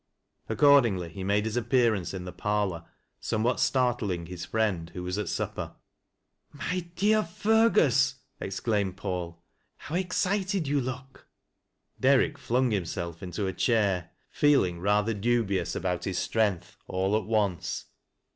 Accordingly, he made his appearance in the parlor, wmewhat startling his friend, who was at supper, "My dear Fergus I " exclaimed Paul. 'How excited »ou look 1 " re lEAT LAS8 0' L0WRIEP8. Derrick flung himself into a chair, feeling rather dn bious about his strength, all at once.